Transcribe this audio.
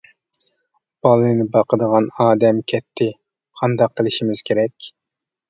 بالىنى باقىدىغان ئادەم كەتتى قانداق قىلىشىمىز كېرەك.